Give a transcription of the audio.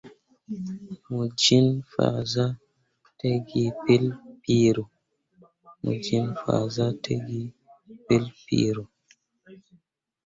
Mo gine fazahtǝgǝǝ ɓelle piro.